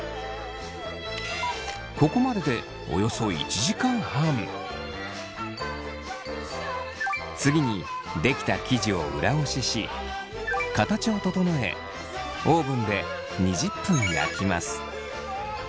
ここまでで次に出来た生地を裏ごしし形を整えオーブンで２０分焼きます。